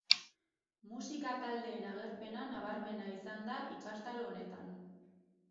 Musika taldeen agerpena nabarmena izan da ikastaro honetan.